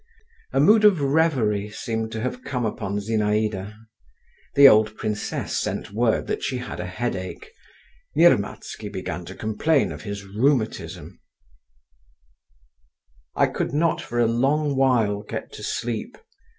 A mood of reverie seemed to have come upon Zinaïda; the old princess sent word that she had a headache; Nirmatsky began to complain of his rheumatism…. I could not for a long while get to sleep.